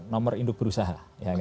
nomor induk berusaha